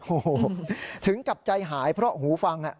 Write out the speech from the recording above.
โอ้โหถึงกับใจหายเพราะหูฟัง